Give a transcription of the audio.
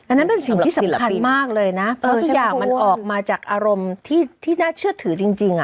อันนั้นเป็นสิ่งที่สำคัญมากเลยนะเพราะทุกอย่างมันออกมาจากอารมณ์ที่น่าเชื่อถือจริง